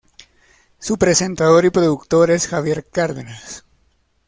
Su presentador y productor es Javier Cárdenas.